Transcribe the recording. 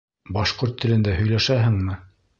Башҡорт телендә һөйләшәһеңме?